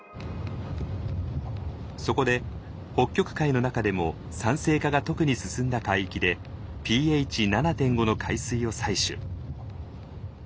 そこで北極海の中でも酸性化が特に進んだ海域でｐＨ７．５の海水を採取。